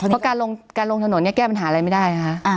เพราะการลงถนนแก้ปัญหาอะไรไม่ได้